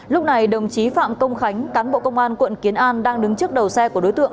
lúc này đồng chí phạm công khánh cán bộ công an quận kiến an đang đứng trước đầu xe của đối tượng